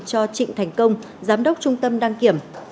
cho trịnh thành công giám đốc trung tâm đăng kiểm